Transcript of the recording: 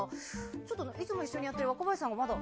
ちょっと、いつも一緒にやってる若林さんがまだ。